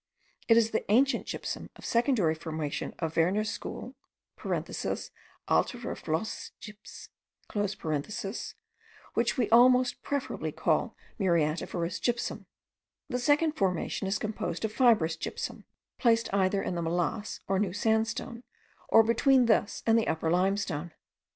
It is the ancient gypsum of secondary formation of Werner's school (alterer flozgyps), which we almost preferably call muriatiferous gypsum. The second formation is composed of fibrous gypsum, placed either in the molasse or new sandstone, or between this and the upper limestone.